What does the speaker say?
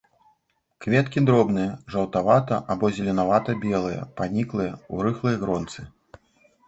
Кветкі дробныя, жаўтавата- або зеленавата-белыя, паніклыя, у рыхлай гронцы.